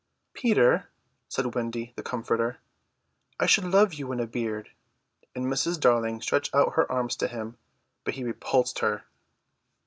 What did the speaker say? "Peter," said Wendy the comforter, "I should love you in a beard;" and Mrs. Darling stretched out her arms to him, but he repulsed her.